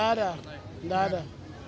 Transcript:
tidak tidak ada